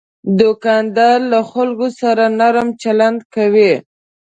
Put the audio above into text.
دوکاندار له خلکو سره نرم چلند کوي.